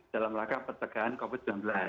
dalam langkah pencegahan covid sembilan belas